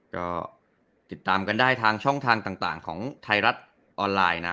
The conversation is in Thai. ก็ติดตามกันได้ทางช่องทางต่างของไทยรัฐออนไลน์นะ